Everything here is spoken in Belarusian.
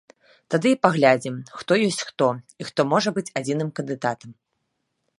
Тады і паглядзім, хто ёсць хто і хто можа быць адзіным кандыдатам.